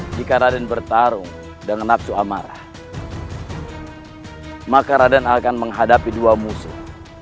jika raden bertarung dengan nafsu amarah maka raden akan menghadapi dua musuh